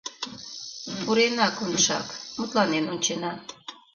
Пурена, Коншак, мутланен ончена.